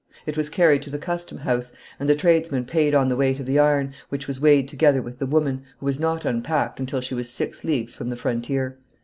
It was carried to the custom house, and the tradesman paid on the weight of the iron, which was weighed together with the woman, who was not unpacked until she was six leagues from the frontier."